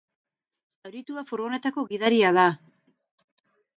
Zauritua furgonetako gidaria da.